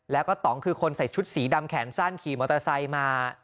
แล้วก็ต่องคือคนใส่ชุดสีดำแขนสั้นขี่มอเตอร์ไซค์มา